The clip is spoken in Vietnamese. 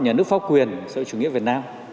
nhà nước pháp quyền sau chủ nghĩa việt nam